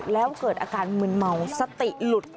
แล้วเกิดอาการมึนเมาสติหลุด